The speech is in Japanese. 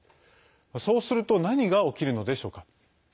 そうすると何が起きるのでしょうか。